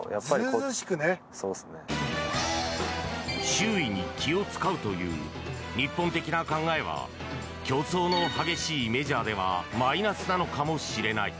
周囲に気を使うという日本的な考えは競争の激しいメジャーではマイナスなのかもしれない。